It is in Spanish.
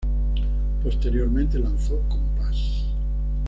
Posteriormente lanzó "Compass".